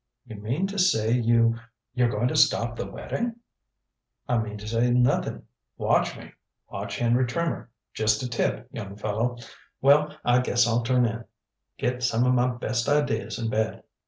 "You mean to say you you're going to stop the wedding?" "I mean to say nothing. Watch me. Watch Henry Trimmer. Just a tip, young fellow. Well, I guess I'll turn in. Get some of my best ideas in bed.